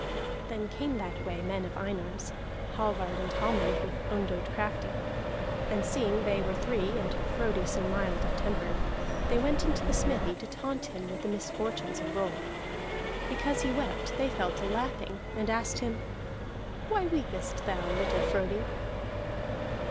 Then came that way men of Einar's, Hallvard and Hallmund, with Ondott Crafty; and seeing they were three, and Frodi so mild of temper, they went into the smithy to taunt him with the misfortunes of Rolf. Because he wept, they fell to laughing, and asked him: "Why weepest thou, Whittle Frodi?"